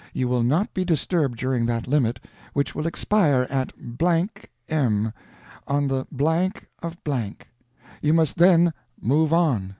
You will not be disturbed during that limit, which will expire at. ..... M., on the...... of....... You must then MOVE ON.